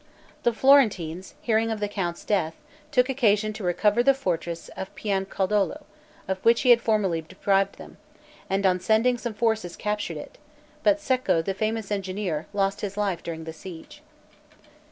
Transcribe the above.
The Florentines hearing of the count's death, took occasion to recover the fortress of Piancaldoli, of which he had formerly deprived them, and, on sending some forces, captured it; but Cecco, the famous engineer, lost his life during the siege.